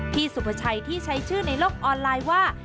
สุภาชัยที่ใช้ชื่อในโลกออนไลน์ว่า